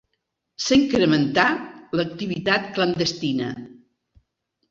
S'incrementà l'activitat clandestina.